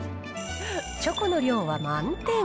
チョコの量は満点。